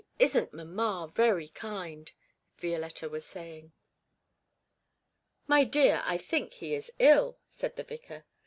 Isn't mamma very kind?' Violetta was saying. 'My dear, I think he is ill,' said the vicar.